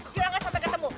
si ranggat sampai ketemu